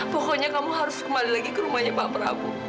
pokoknya kamu harus kembali lagi ke rumahnya pak prabowo